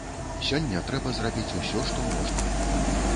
Сёння трэба зрабіць усё, што можна.